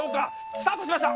スタートしました。